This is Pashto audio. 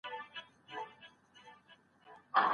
پوهه د هرې ټولنیزې ستونزې حل دی.